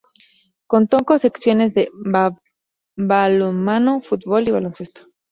Contó con secciones de balonmano, fútbol y baloncesto.